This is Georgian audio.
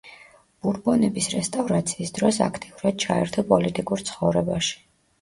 ბურბონების რესტავრაციის დროს აქტიურად ჩაერთო პოლიტიკურ ცხოვრებაში.